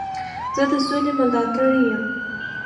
زه د سولي ملاتړی یم.